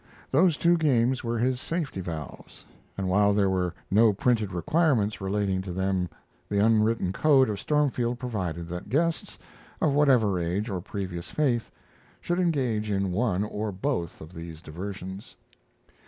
Those two games were his safety valves, and while there were no printed requirements relating to them the unwritten code of Stormfield provided that guests, of whatever age or previous faith, should engage in one or both of these diversions.